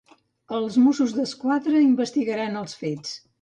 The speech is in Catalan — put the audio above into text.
Els Mossos d'Esquadra investigaran els fets.